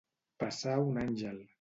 Passar un àngel.